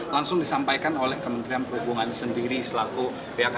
langsung disampaikan oleh kementerian perhubungan sendiri selaku pihak kpk